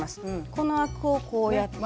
このアクをこうやって。